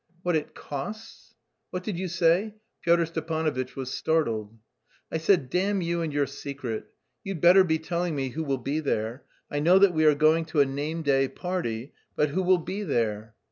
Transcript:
"What it costs? What did you say?" Pyotr Stepanovitch was startled. "I said, 'Damn you and your secret!' You'd better be telling me who will be there. I know that we are going to a name day party, but who will be there?"